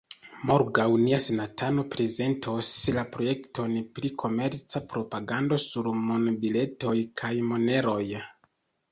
Morgaŭ nia senatano prezentos la projekton pri komerca propagando sur monbiletoj kaj moneroj.